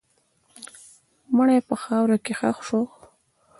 مړی په خاوره کې ښخ شو.